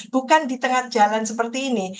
bukan di tengah jalan seperti ini